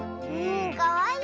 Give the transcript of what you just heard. かわいい！